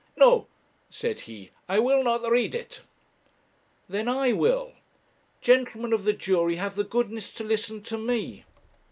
'No,' said he, 'I will not read it.' 'Then I will. Gentlemen of the jury, have the goodness to listen to me.'